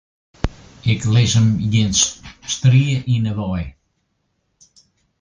Ik lis him gjin strie yn 'e wei.